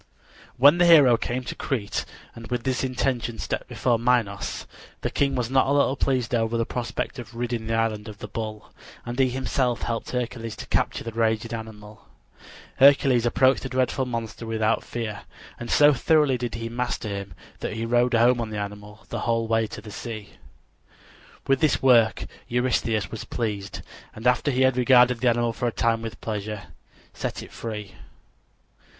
When the hero came to Crete and with this intention stepped before Minos, the king was not a little pleased over the prospect of ridding the island of the bull, and he himself helped Hercules to capture the raging animal. Hercules approached the dreadful monster without fear, and so thoroughly did he master him that he rode home on the animal the whole way to the sea. With this work Eurystheus was pleased, and after he had regarded the animal for a time with pleasure, set it free.